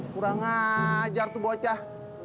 kurang ngajar tuh bocah